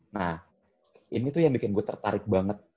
nah ini tuh yang bikin gue tertarik banget